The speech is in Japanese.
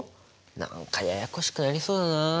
何かややこしくなりそうだなあ。